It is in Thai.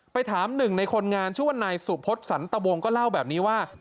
ถามหนึ่งในคนงานชื่อว่านายสุพศสันตวงก็เล่าแบบนี้ว่า